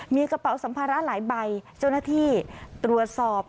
มีกระเป๋าสัมภาระหลายใบเจ้าหน้าที่ตรวจสอบ